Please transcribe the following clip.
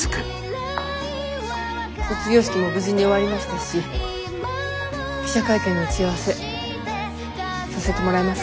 卒業式も無事に終わりましたし記者会見の打ち合わせさせてもらえますか？